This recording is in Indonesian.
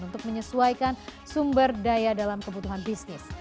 untuk menyesuaikan sumber daya dalam kebutuhan bisnis